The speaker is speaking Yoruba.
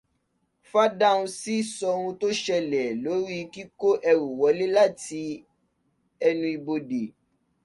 Fádáhùnsi sọ ohun tó ń ṣẹlẹ̀ lórí kíkó ẹ̀rù wọlé láti ẹnu ibodè